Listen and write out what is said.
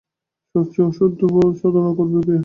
সব চেয়ে যা অসাধ্য তার সাধনা করবে কে?